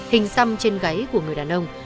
hình xăm trên gáy của người đàn ông